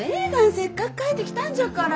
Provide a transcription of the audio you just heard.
せっかく帰ってきたんじゃから。